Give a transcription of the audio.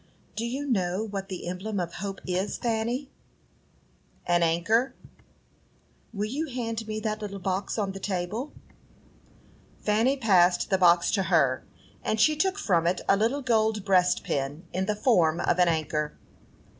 "Do you know what the emblem of Hope is, Fanny?" "An anchor." "Will you hand me that little box on the table?" Fanny passed the box to her, and she took from it a little gold breastpin, in the form of an anchor.